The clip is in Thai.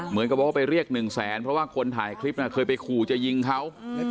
เหมือนกับว่าไปเรียกหนึ่งแสนเพราะว่าคนถ่ายคลิปเคยไปขู่จะยิงเขา